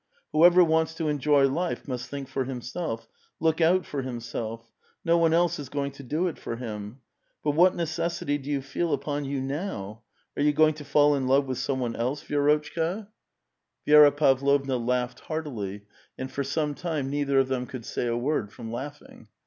Whoever wants to enjoy life must think for himself, look out for himself ; no one else is going to do it for him. But what necessity do you feel upon vou now? Are you going to fall in love with some one else, Fi^/'otchka ?" A VITAL QUESTION. 868 Vi^raPavlovna laughed heartily', and for some time neither of them could say a word from hiughing.